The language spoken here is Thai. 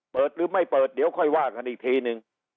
เปิดหรือไม่เปิดเดี๋ยวค่อยว่ากันอีกทีนึง